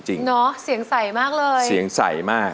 เนอะเสียงใสมากเลยเสียงใสมาก